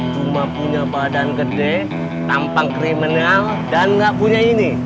cuma punya badan gede tampang kriminal dan nggak punya ini